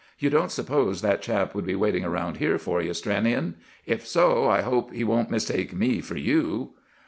"You don't suppose that chap would be waiting around here for you, Stranion? If so, I hope he won't mistake me for you!"